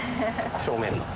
正面の。